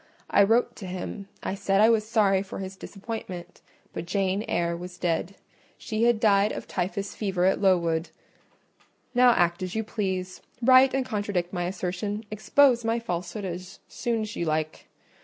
I wrote to him; I said I was sorry for his disappointment, but Jane Eyre was dead: she had died of typhus fever at Lowood. Now act as you please: write and contradict my assertion—expose my falsehood as soon as you like.